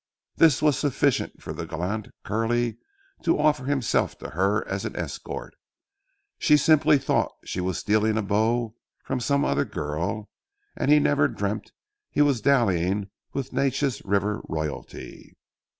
This was sufficient for the gallant Curly to offer himself to her as an escort. She simply thought she was stealing a beau from some other girl, and he never dreamt he was dallying with Neches River royalty.